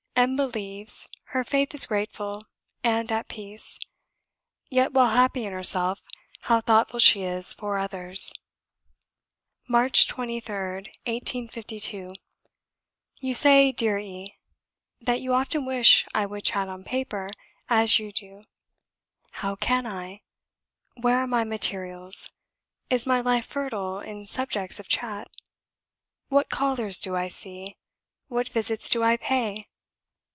M believes; her faith is grateful and at peace; yet while happy in herself, how thoughtful she is for others!" "March 23rd, 1852. "You say, dear E , that you often wish I would chat on paper, as you do. How can I? Where are my materials? Is my life fertile in subjects of chat? What callers do I see? What visits do I pay?